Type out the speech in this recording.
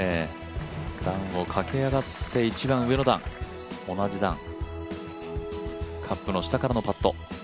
ダウンを駆け上がって一番上の段同じ段、カップの下からのパット。